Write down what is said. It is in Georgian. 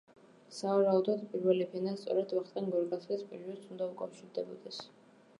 სავარაუდოდ, პირველი ფენა სწორედ ვახტანგ გორგასლის პერიოდს უნდა უკავშირდებოდეს.